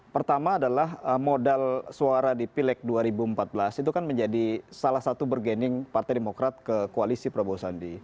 bersuara di pilek dua ribu empat belas itu kan menjadi salah satu bergening partai demokrat ke koalisi prabowo sandi